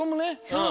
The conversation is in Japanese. そう。